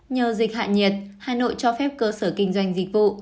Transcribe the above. nhờ dịch hạ nhiệt hà nội cho phép cơ sở kinh doanh dịch vụ